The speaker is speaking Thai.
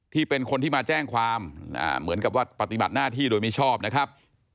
ที่เป็นคนที่มาแจ้งความเหมือนกับว่าปฏิบัติหน้าที่โดยมิชอบนะครับ